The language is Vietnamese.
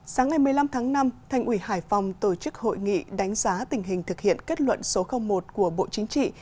sáng ngày một mươi năm tháng năm thành ủy hải phòng tổ chức hội nghị đánh giá tình hình thực hiện kết luận số một của bộ chính trị